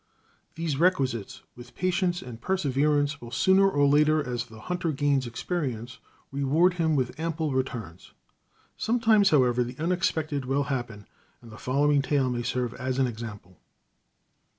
These requisites, with patience and perseverance, will, sooner or later, as the hunter gains experience, reward him with ample returns. Sometimes, however, the unexpected will happen, and the following tale may serve as an example.